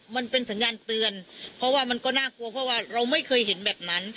มันเป็นสัญญาณเตือนเพราะว่ามันก็น่ากลัวเพราะว่าเราไม่เคยเห็นแบบนั้น